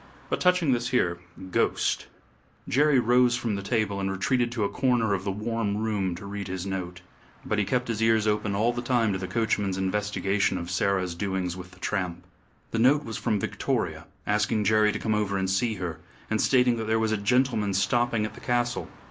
But touching this here ghost " Jerry rose from the table and retreated to a corner of the warm room to read his note. But he kept his ears open all the time to the coachman's investigation of Sarah's doings with the tramp. The note was from Victoria asking Jerry to come over and see her, and stating that there was a gentleman stopping at the castle.